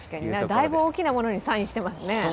だいぶ大きなものにサインしていますね。